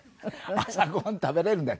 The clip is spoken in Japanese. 「朝ごはん食べられるんだよ」。